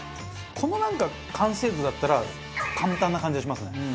このなんか完成度だったら簡単な感じがしますね。